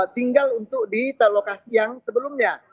tinggal untuk di lokasi yang sebelumnya